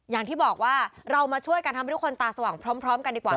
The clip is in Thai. อย่างที่บอกว่าเรามาช่วยกันทำให้ทุกคนตาสว่างพร้อมกันดีกว่า